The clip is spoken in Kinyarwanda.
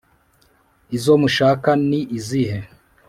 izo mushaka ni izihe’